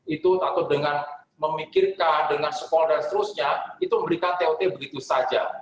itu atau dengan memikirkan dengan sekolah dan seterusnya itu memberikan tot begitu saja